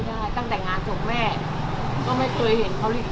ไม่ได้ตั้งแต่งานส่งแม่ก็ไม่เคยเห็นเค้าอีกเลย